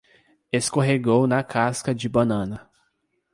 Escorregou na casca de banana